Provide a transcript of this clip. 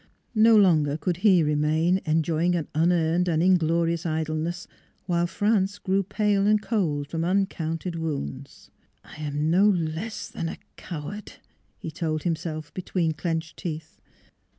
No longer could he remain enjoying an unearned and inglorious idleness, while France grew pale and cold from uncounted wounds. " I am no less than a coward I " he told him self between clenched teeth.